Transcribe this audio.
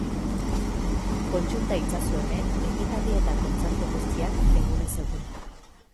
Kontsulta itzazu hemen ekitaldi eta kontzertu guztiak, egunez egun.